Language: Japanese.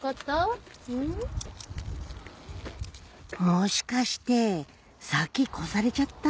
もしかして先越されちゃった？